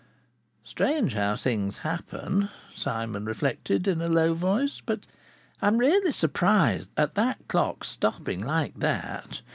"Strange how things happen!" Simon reflected in a low voice. "But I'm really surprised at that clock stopping like that.